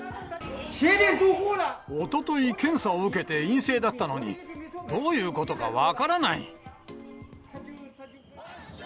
おととい検査を受けて陰性だったのに、どういうことか分からない。